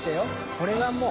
これはもう。